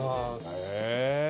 へえ。